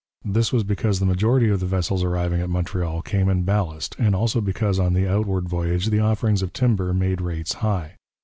This was because the majority of the vessels arriving at Montreal came in ballast, and also because on the outward voyage the offerings of timber made rates high.